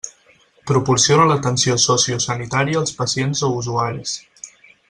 Proporciona l'atenció sociosanitària als pacients o usuaris.